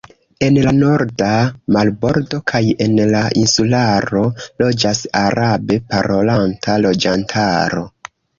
En la norda marbordo kaj en la insularo loĝas arabe parolanta loĝantaro.